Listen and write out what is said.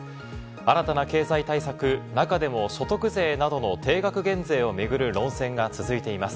新たな経済対策、中でも所得税などの定額減税を巡る論戦が続いています。